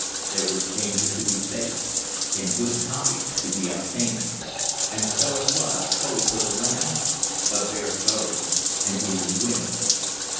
There was danger to be faced and good "copy" to be obtained. And so it was ho for the land of "bared boughs and grieving winds"!